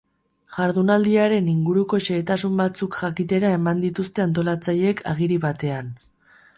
Jardunaldiaren inguruko xehetasun batzuk jakitera eman dituzte antolatzaileek agiri batean.